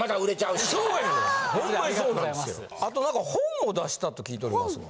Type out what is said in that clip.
あと何か本も出したと聞いておりますが。